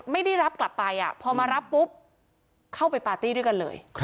ไม่ได้รับกลับไปพอมารับปุ๊บเข้าไปปาร์ตี้ด้วยกันเลย